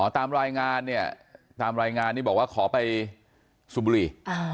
ตามรายงานเนี่ยตามรายงานนี่บอกว่าขอไปสูบบุหรี่